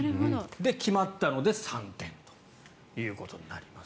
決まったので３点ということになります。